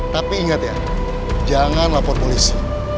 tapi ingat ya jangan lapor polisi